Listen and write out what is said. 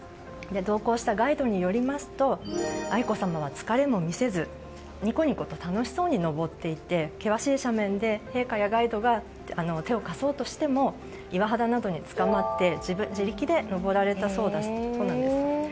同行したガイドによりますと愛子さまは疲れも見せずニコニコと楽しそうに登っていて、険しい斜面で陛下やガイドが手を貸そうとしても岩肌などにつかまって自力で登られたそうなんです。